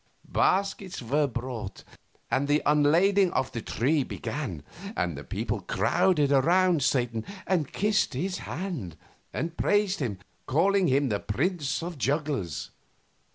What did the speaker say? Baskets were brought, and the unlading of the tree began; and the people crowded around Satan and kissed his hand, and praised him, calling him the prince of jugglers.